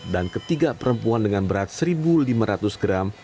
dan ketiga perempuan dengan berat seribu lima ratus gram